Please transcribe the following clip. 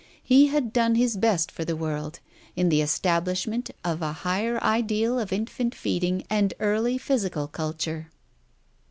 He had done his best for the world in the establishment of a higher ideal of infant feeding and early physical culture.